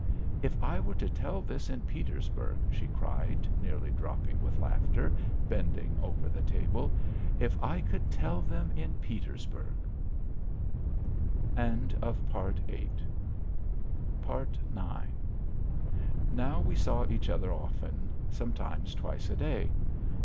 "If I were to tell this in Petersburg!" she cried, nearly dropping with laughter, bending over the table. "If I could tell them in Petersburg!" IX Now we saw each other often, sometimes twice a day.